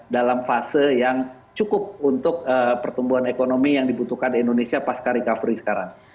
dalam fase yang cukup untuk pertumbuhan ekonomi yang dibutuhkan di indonesia pasca recovery sekarang